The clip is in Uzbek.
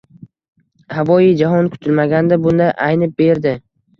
Havoi jahon kutilmaganda bunday aynib berdi.